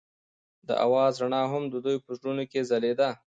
د اواز رڼا هم د دوی په زړونو کې ځلېده.